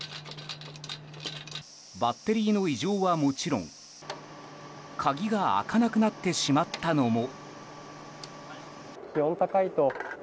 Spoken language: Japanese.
バッテリーの異常はもちろん鍵が開かなくなってしまったのも。